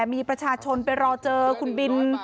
มีประชาชนไปรอเจอคุณบิน